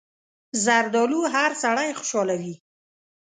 زردالو هر سړی خوشحالوي.